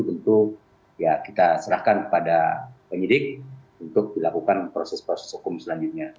tentu ya kita serahkan kepada penyidik untuk dilakukan proses proses hukum selanjutnya